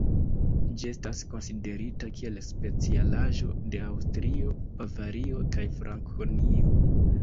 Ĝi estas konsiderita kiel specialaĵo de Aŭstrio, Bavario, kaj Frankonio.